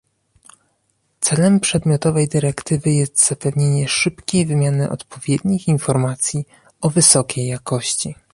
Celem przedmiotowej dyrektywy jest zapewnienie szybkiej wymiany odpowiednich informacji o wysokiej jakości